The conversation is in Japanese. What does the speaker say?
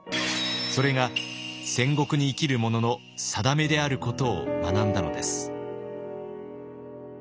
それが戦国に生きる者の定めであることを学んだのです。